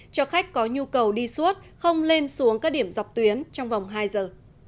cho khách có nhu cầu đi suốt không lên xuống các điểm dọc tuyến trong vòng hai giờ